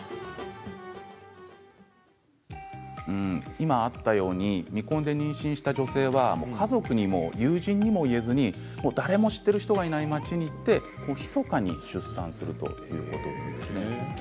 今あったように未婚で妊娠した女性は家族や友人にも言えずに誰も知っている人がいない町に行ってひそかに出産することが多いそうです。